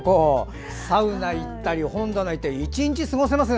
サウナ行ったり本棚行ったり１日過ごせますね。